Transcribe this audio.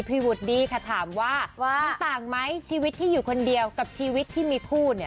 วูดดี้ค่ะถามว่ามันต่างไหมชีวิตที่อยู่คนเดียวกับชีวิตที่มีคู่เนี่ย